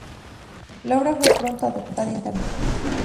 La obra fue pronto adoptada internacionalmente.